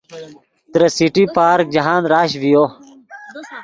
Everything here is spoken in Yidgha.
ترے سٹی پارک جاہند رش ڤیو